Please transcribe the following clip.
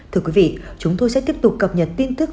thưa quý vị chúng tôi sẽ tiếp tục cập nhật tin tức